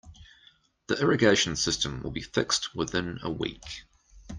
The irrigation system will be fixed within a week.